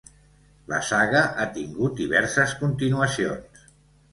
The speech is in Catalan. La saga ha tingut diverses continuacions.